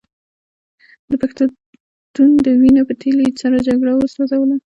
د پښتون د وینو په تېل یې سړه جګړه وسوځوله.